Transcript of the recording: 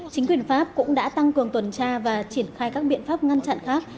chính quyền pháp cũng đã tăng cường tuần tra và triển khai các biện pháp ngăn chặn khác